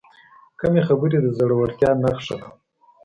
کمې خبرې، د زړورتیا نښه ده.